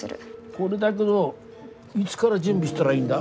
これだけどいづがら準備したらいいんだ？